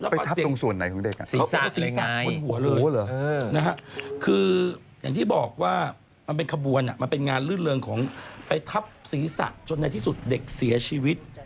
ไปทับตรงส่วนไหนของเด็กศีรษะบนหัวเลยคืออย่างที่บอกว่ามันเป็นขบวนมันเป็นงานลื่นเริงของไปทับศีรษะจนในที่สุดเด็กเสียชีวิต